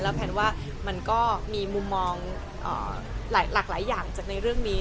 แพนว่ามันก็มีมุมมองหลากหลายอย่างจากในเรื่องนี้